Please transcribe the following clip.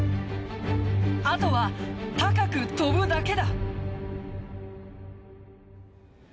あとは高く跳ぶだけだ。